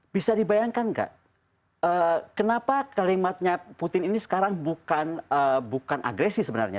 bisa dibayangkan nggak kenapa kalimatnya putin ini sekarang bukan agresi sebenarnya